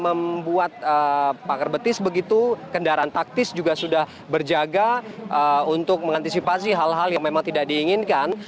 membuat pakar betis begitu kendaraan taktis juga sudah berjaga untuk mengantisipasi hal hal yang memang tidak diinginkan